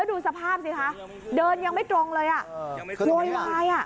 ดูสภาพสิคะเดินยังไม่ตรงเลยอ่ะโวยวายอ่ะ